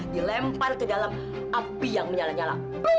dilempar ke dalam api yang menyala nyala